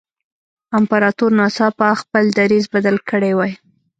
امپراتور ناڅاپه خپل دریځ بدل کړی وای.